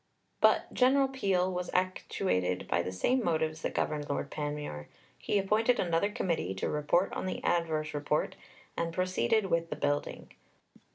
But General Peel was actuated by the same motives that governed Lord Panmure. He appointed another Committee to report on the adverse Report, and proceeded with the building.